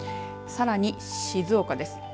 さらに静岡です。